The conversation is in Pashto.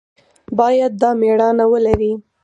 باید دا مېړانه ولري.